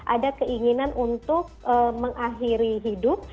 ada keinginan untuk mengakhiri hidup